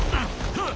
はっ！